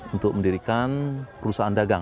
untuk mendirikan perusahaan dagang